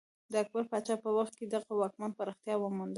د اکبر پاچا په وخت کې دغه واکمنۍ پراختیا ومونده.